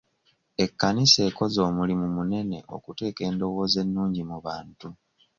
Ekkanisa ekoze omulimu munene okuteeka endowooza ennungi mu bantu .